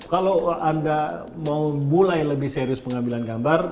kalau anda mau mulai lebih serius pengambilan gambar